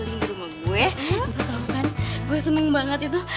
dengan kekuatan naruto